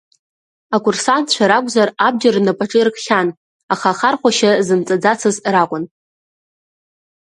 Акурсантцәа ракәзар, абџьар рнапаҿы иркхьан, аха ахархәашьа зымҵаӡацыз ракәын.